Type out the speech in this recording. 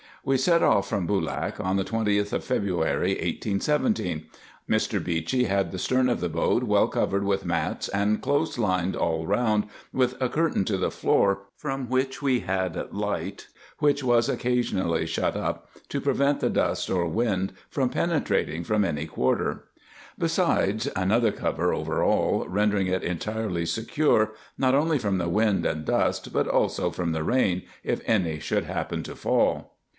We set off from Boolak on the 20th of February, 1817. Mr. Beechey had the stern of the boat well covered with mats, and close lined all round, with a curtain to the door from which we had light, which was occasionally shut up, to prevent the dust or wind from pene trating from any quarter ; beside, another cover over all, rendering it entirely secure, not only from the wind and dust, but also from the rain, if any should happen to fall.